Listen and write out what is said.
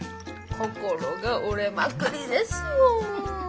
心が折れまくりですよ。